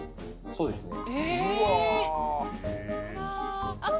そうですね